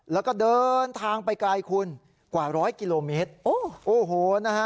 แล้วก็เดินทางไปไกลคุณกว่าร้อยกิโลเมตรโอ้โหนะฮะ